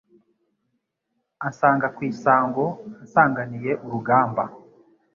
Ansanga ku isonga nsanganiye urugamba